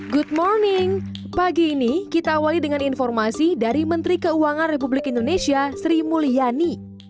good morning pagi ini kita awali dengan informasi dari menteri keuangan republik indonesia sri mulyani